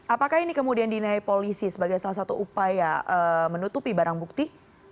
apakah ini kemudian dinai polisi sebagai salah satu upaya menutupi barang bukti